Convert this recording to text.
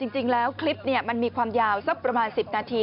จริงแล้วคลิปมันมีความยาวสักประมาณ๑๐นาที